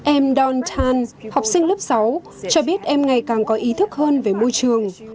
em dawn tan học sinh lớp sáu cho biết em ngày càng có ý thức hơn về môi trường